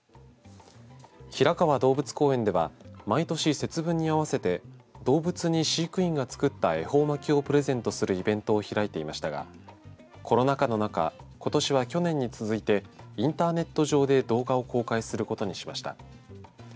平川動物公園では毎年、節分にあわせて動物に飼育員が作った恵方巻きをプレゼントするイベントを開いていましたがコロナ禍の中ことしは去年に続いてインターネット上で動画を公開することにしました。